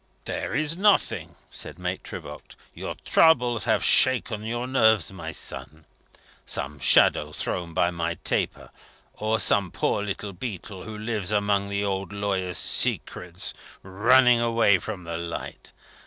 "There is nothing!" said Maitre Voigt. "Your troubles have shaken your nerves, my son. Some shadow thrown by my taper; or some poor little beetle, who lives among the old lawyer's secrets, running away from the light.